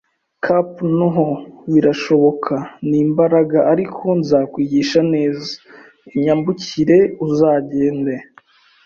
cap'n hano, birashoboka. Nimbaraga, ariko nzakwigisha neza! Unyambukire, uzagenda